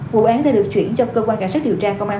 vụ án đã được chuyển cho cơ quan cảnh sát điều tra công an